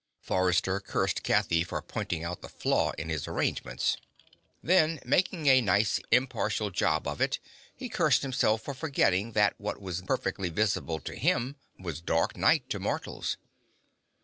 Forrester cursed Kathy for pointing out the flaw in his arrangements. Then, making a nice impartial job of it, he cursed himself for forgetting that what was perfectly visible to him was dark night to mortals.